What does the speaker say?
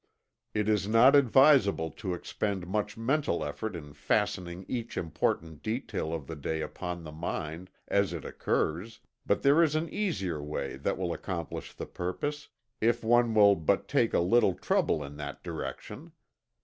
It is not advisable to expend much mental effort in fastening each important detail of the day upon the mind, as it occurs; but there is an easier way that will accomplish the purpose, if one will but take a little trouble in that direction.